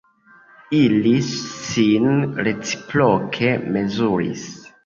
Ili sin reciproke mezuris.